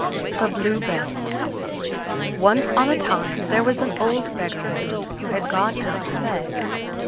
] THE BLUE BELT Once on a time there was an old beggar woman, who had gone out to beg.